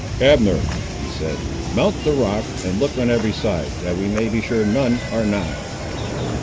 "Abner," he said, "mount the rock, and look on every side, that we may be sure none are nigh."